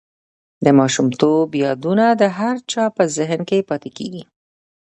د ماشومتوب یادونه د هر چا په زهن کې پاتې کېږي.